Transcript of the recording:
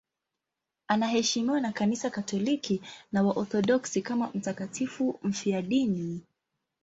Anaheshimiwa na Kanisa Katoliki na Waorthodoksi kama mtakatifu mfiadini.